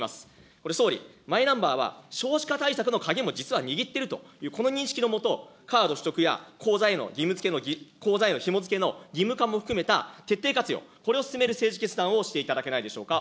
これ、総理、マイナンバーは少子化対策の鍵も実は握っているという、この認識のもと、カード取得や口座へのひも付けの義務化も含めた徹底活用、これを進める政治決断をしていただけないでしょうか。